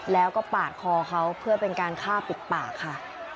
แล้วก็ปาดคอเขาเพื่อเป็นการฆ่าปิดปากค่ะ